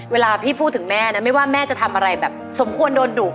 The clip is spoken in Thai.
เวลาพี่พูดถึงแม่นะไม่ว่าแม่จะทำอะไรแบบสมควรโดนดุ